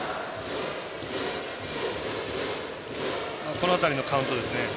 この辺りのカウントですね。